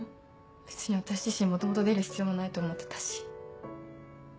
別に私自身元々出る必要もないと思ってたし。